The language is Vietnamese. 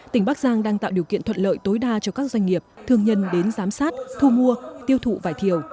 tỉnh bắc giang đang tạo điều kiện thuận lợi tối đa cho các doanh nghiệp thương nhân đến giám sát thu mua tiêu thụ vải thiều